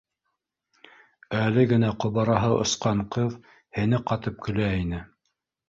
Әле генә ҡобараһы осҡан ҡыҙ һене ҡатып көлә ине